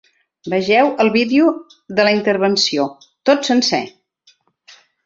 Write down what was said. Vegeu el vídeo de la intervenció, tot sencer.